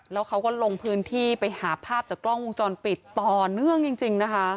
แล้วเขาก็ลงพื้นที่ไปหาภาพจากกล้องวงจรปิดต่อเนื่องจริงนะคะ